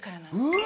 うわ！